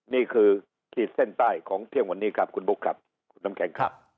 นี่คือทีส้นใต้ของเที่ยววันนี้ครับปุ๊กครับ